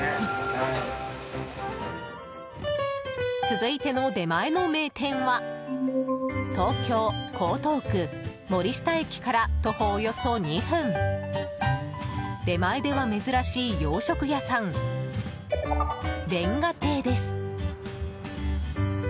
続いての出前の名店は東京・江東区森下駅から徒歩およそ２分出前では珍しい洋食屋さん、煉瓦亭です。